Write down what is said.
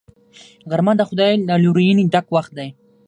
غرمه د خدای له لورینې ډک وخت دی